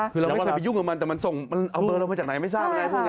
คือเราไม่เคยไปยุ่งกับมันแต่มันส่งมันเอาเบอร์เรามาจากไหนไม่ทราบไงพวกนี้